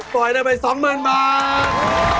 ส่วยได้ไปสองหมื่นบาท